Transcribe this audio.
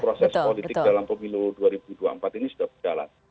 proses politik dalam pemilu dua ribu dua puluh empat ini sudah berjalan